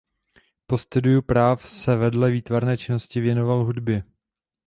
Po studiu práv se vedle výtvarné činnosti věnoval hudbě.